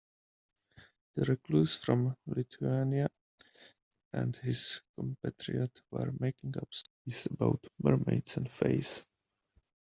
The recluse from Lithuania and his compatriot were making up stories about mermaids and fays.